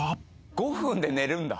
５分で寝るんだ。